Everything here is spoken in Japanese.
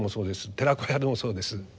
寺子屋でもそうです。